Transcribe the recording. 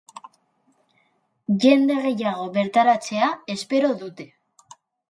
jende gehiago bertaratzea espero dute